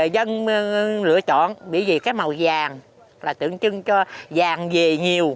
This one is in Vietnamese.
dân lựa chọn bởi vì cái màu vàng là tưởng chứng cho vàng về nhiều